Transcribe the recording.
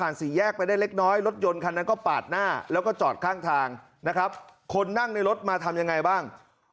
นะครับคนนั่งในรถมาทำยังไงบ้าง